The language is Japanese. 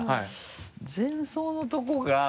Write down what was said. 前奏のとこが。